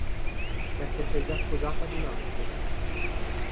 Perché sei già sposata ad un altro.